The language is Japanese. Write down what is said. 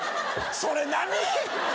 それ何！？